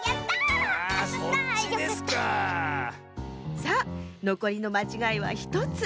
さあのこりのまちがいは１つ。